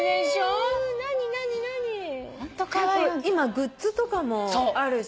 今グッズとかもあるし。